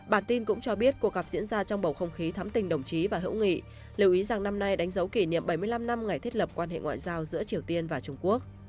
bản tin cũng cho biết cuộc gặp diễn ra trong bầu không khí thắm tình đồng chí và hữu nghị lưu ý rằng năm nay đánh dấu kỷ niệm bảy mươi năm năm ngày thiết lập quan hệ ngoại giao giữa triều tiên và trung quốc